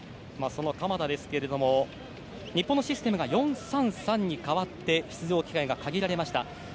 その鎌田ですけども日本のシステムが４−３−３に変わって出場機会は限られました。